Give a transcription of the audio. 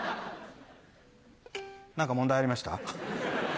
何か問題ありました？